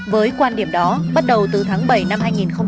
với quan điểm đó bắt đầu từ tháng bảy năm hai nghìn một mươi năm